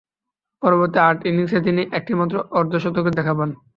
পরবর্তী আট ইনিংসে তিনি একটিমাত্র অর্ধ-শতকের দেখা পান।